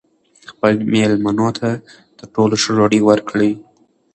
خپلو مېلمنو ته تر ټولو ښه ډوډۍ ورکړئ.